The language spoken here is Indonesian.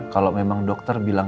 kalau memang dokter bilang